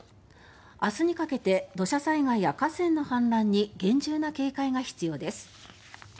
明日にかけて土砂災害や河川の氾濫に厳重な警戒が必要です。